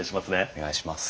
お願いします。